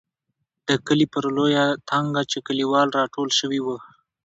د کلي پر لویه تنګاچه کلیوال را ټول شوي وو.